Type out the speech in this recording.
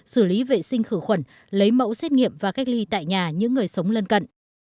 xử lý vệ sinh khử khuẩn lấy mẫu xét nghiệm và cách ly tại nhà những người sống lân cận